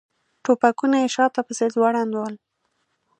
ټوپکونه یې شاته پسې ځوړند ول.